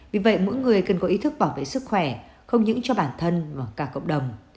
vì vậy mỗi người cần có ý thức bảo vệ sức khỏe không những cho bản thân mà cả cộng đồng